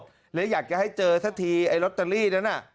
ก็เลยอยากจะให้เจอสักทีไอ้ลอตเตอรี่นั้นน่ะ